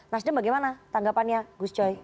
nasdem bagaimana tanggapannya gus coy